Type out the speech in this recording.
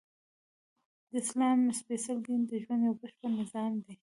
د اسلام سپیڅلی دین د ژوند یؤ بشپړ نظام دی!